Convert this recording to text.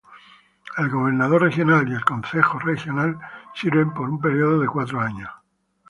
El Gobernador Regional y el Concejo Regional sirven por un periodo de cuatro años.